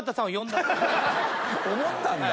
思ったんだ。